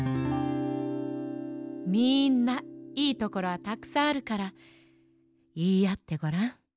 みんないいところはたくさんあるからいいあってごらん。